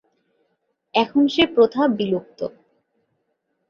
এখন সে প্রথা বিলুপ্ত।